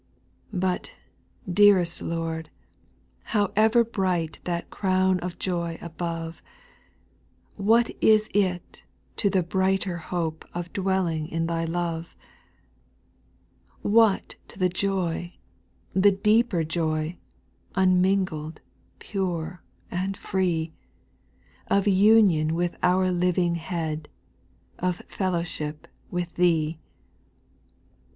5. But, dearest Lord, however bright That crown of joy above, What is it to the brighter hope Of dwelling in Thy love ? 6. What to the joy, the deeper joy, Unmingled, pure, and free. Of union with our living Head, Of fellowship with Thee ?